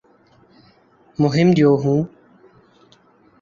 مہم جو ہوں